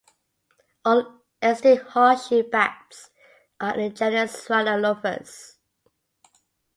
All extant horseshoe bats are in the genus "Rhinolophus".